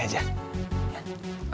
sorry gue ada urusan